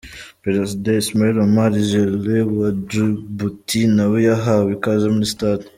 Perezida Ismaïl Omar Guelleh wa Djibouti nawe yahawe ikaze muri stade.